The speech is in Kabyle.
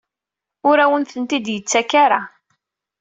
Ur awen-tent-id-yettak ara?